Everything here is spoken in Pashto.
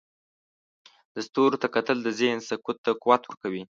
د ستورو ته کتل د ذهن سکون ته قوت ورکوي.